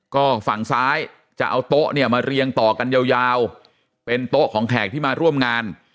ก็ฝั่งซ้ายจะเอาโต๊ะเนี่ยมาเรียงต่อกันยาวเป็นโต๊ะของแขกที่มาร่วมงาน